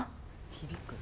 響く。